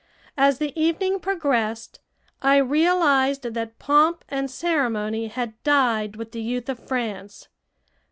As the evening progressed, I realized that pomp and ceremony had died with the youth of France.